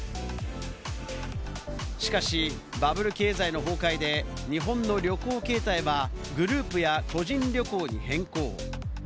しかし、バブル経済の崩壊で日本の旅行形態はグループや個人旅行に変更。